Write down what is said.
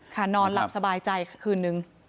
นอนหลับสบายใจคืนนึง